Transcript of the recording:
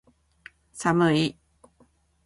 寒い